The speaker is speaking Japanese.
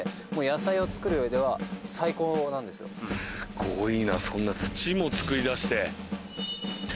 すごいなそんな土も作り出して。